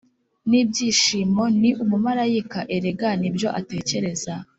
nibyishimo, ni umumarayika- erega nibyo atekereza